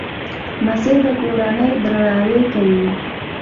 لمسی د کورنۍ درناوی کوي.